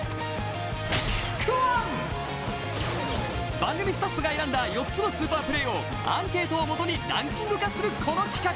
番組スタッフが選んだ４つのスーパープレーをアンケートをもとにランキング化するこの企画。